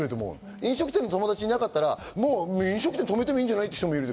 飲食店の友達がいなかったら、とめてもいいんじゃない？っていう人もいる。